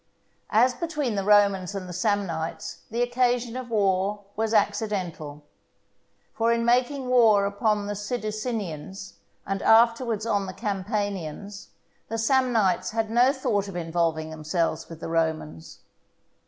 As between the Romans and the Samnites, the occasion of war was accidental. For in making war upon the Sidicinians and afterwards on the Campanians, the Samnites had no thought of involving themselves with the Romans.